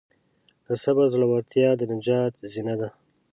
د صبر زړورتیا د نجات زینه ده.